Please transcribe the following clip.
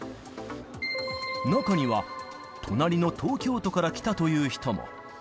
中には、隣の東京都から来たという人も。